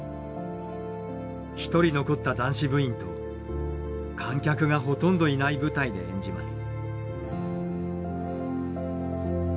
１人残った男子部員と観客がほとんどいない舞台で演じます。